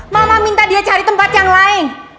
mama minta dia cari tempat yang lain